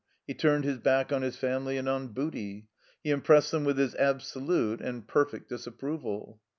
He turned his back on his family and on Booty. He impressed them with his absolute and perfect dis approval.